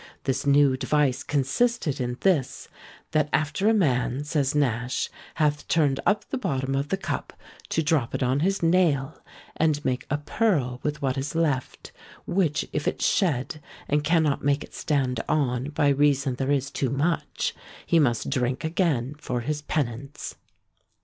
This new device consisted in this, that after a man, says Nash, hath turned up the bottom of the cup to drop it on his nail, and make a pearl with what is left, which if it shed, and cannot make it stand on, by reason there is too much, he must drink again for his penance.